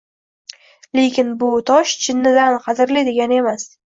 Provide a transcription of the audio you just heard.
Lekin bu, tosh chinnidan qadrli, degani emas.